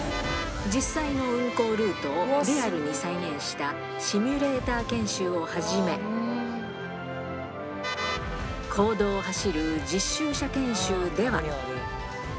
実際の運行ルートをリアルに再現したシミュレーター研修をはじめ、公道を走る実習車研修では。